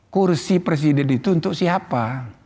kursi presiden itu untuk siapa